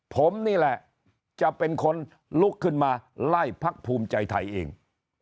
ผมนี่แหละจะเป็นคนลุกขึ้นมาไล่พักภูมิใจไทยเอง